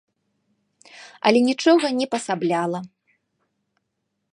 Але нічога не пасабляла.